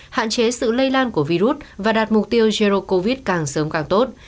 hạn chế sự lây lan của virus và đạt mục tiêu erdo covid càng sớm càng tốt